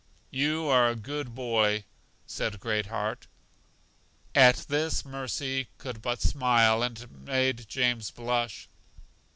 You are a good boy, said Great heart. At this Mercy could but smile, and it made James blush.